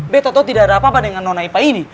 b total tidak ada apa apa dengan nona ipa ini